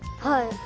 はい。